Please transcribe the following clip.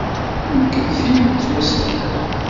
Nekk d tin yettwassnen.